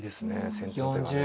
先手の手がね。